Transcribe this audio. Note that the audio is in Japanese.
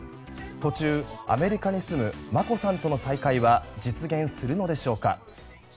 途中、アメリカに住む眞子さんとの再会は実現するのでしょうか。